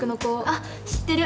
あっ知ってる！